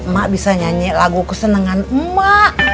mak bisa nyanyi lagu kesenengan emak